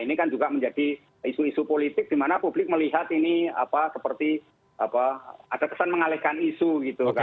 ini kan juga menjadi isu isu politik di mana publik melihat ini seperti ada kesan mengalihkan isu gitu kan